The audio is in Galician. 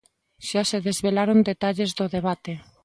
Xa se desvelaron detalles do debate.